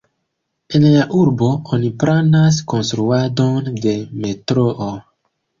En la urbo oni planas konstruadon de metroo.